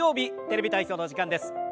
「テレビ体操」のお時間です。